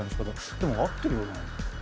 でも合ってるよな。